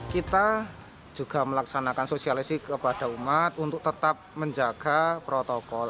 kita juga melaksanakan sosialisasi kepada umat untuk tetap menjaga protokol